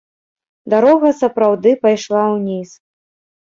Дарога сапраўды пайшла ўніз.